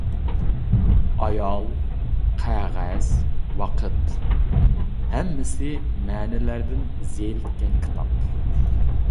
ئايال، قەغەز، ۋاقىت. ھەممىسى مەنىلەردىن زېرىككەن كىتاب.